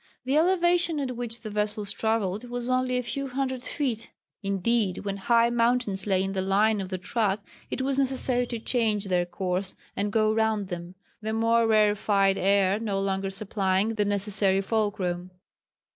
The elevation at which the vessels travelled was only a few hundred feet indeed, when high mountains lay in the line of their track it was necessary to change their course and go round them the more rarefied air no longer supplying the necessary fulcrum.